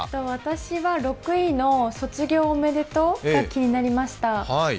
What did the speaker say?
私は６位の卒業おめでとうが気になりました。